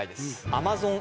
アマゾン